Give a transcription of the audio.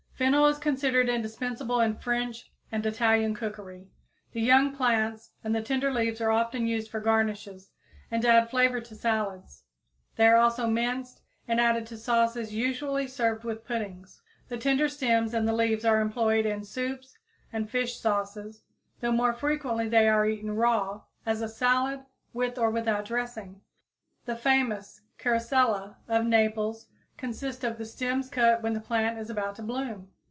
_ Fennel is considered indispensable in French and Italian cookery. The young plants and the tender leaves are often used for garnishes and to add flavor to salads. They are also minced and added to sauces usually served with puddings. The tender stems and the leaves are employed in soups and fish sauces, though more frequently they are eaten raw as a salad with or without dressing. The famous "Carosella" of Naples consists of the stems cut when the plant is about to bloom.